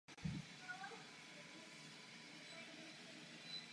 Proč by se měla jakkoliv zlepšit?